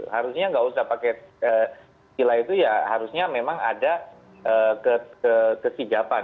harusnya nggak usah pakai istilah itu ya harusnya memang ada kesijapan